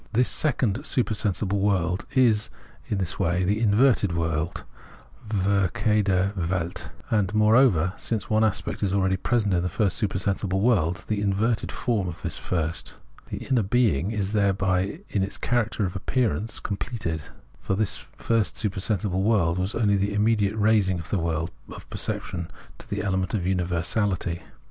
This second supersensible world is in this way the inverted world {verkehrte Welt), and, moreover, since one aspect is abeady present in the first supersensible world, the inverted form of this first. The inner being is, thereby, in its character of appearance, com pleted. For the first supersensible world was only the immediate raising of the world of perception into the element of universahty.